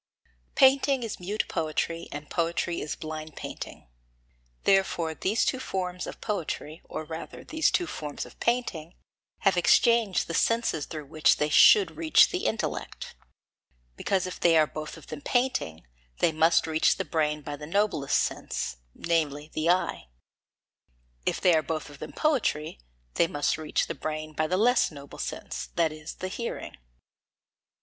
15. Painting is mute poetry, and poetry is blind painting. Therefore these two forms of poetry, or rather these two forms of painting, have exchanged the senses through which they should reach the intellect. Because if they are both of them painting, they must reach the brain by the noblest sense, namely, the eye; if they are both of them poetry, they must reach the brain by the less noble sense, that is, the hearing.